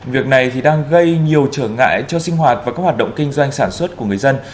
việc này thì đang gây nhiều trở ngại cho sinh hoạt và các hoạt động kinh doanh sản xuất của người dân